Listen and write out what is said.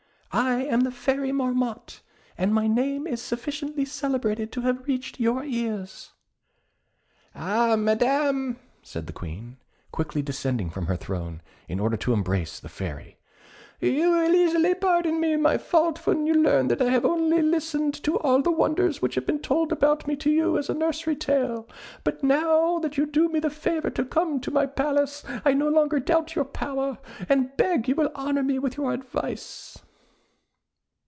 I am the Fairy Marmotte, and my name is sufficiently celebrated to have reached your ears." "Ah, Madam," said the Queen, quickly descending from her throne, in order to embrace the Fairy, "you will easily pardon me my fault when you learn that I have only listened to all the wonders which have been told me about you as to a nursery tale; but now that you do me the favour to come to my palace, I no longer doubt your power, and beg you will honour me with your advice."